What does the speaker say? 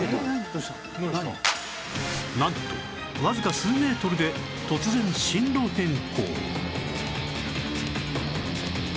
なんとわずか数メートルで突然進路変更